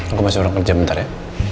aku masih orang kerja bentar ya